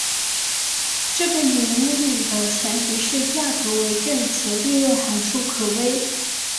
这个引理的前提是价格为正且利润函数可微。